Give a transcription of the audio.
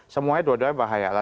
semuanya dua duanya bahaya